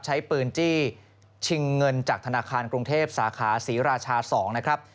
ใช้ปืนจี้ชิงเงินจากธนาคารกรุงเทพสาขาศรีราชา๒นะครับ